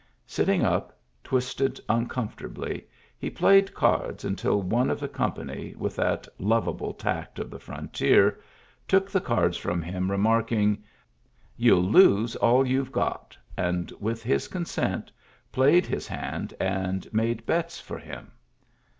Sitting up, twisted uncomfortably, he played cards until one of the company, with that lovable tact of the frontier, took the cards from him, remarking, "Youll lose all youVe got," and, with his con sent, played his hand and made bets for him.